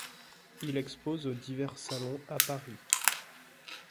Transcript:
Il expose aux divers Salons à Paris.